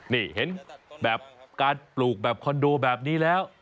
นี่เห็นแบบการปลูกแบบคอนโดแบบนี้แล้ว